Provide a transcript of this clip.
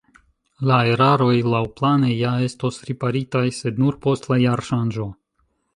La eraroj laŭplane ja estos riparitaj, sed nur post la jarŝanĝo.